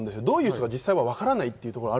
どういう人か実際わからないと。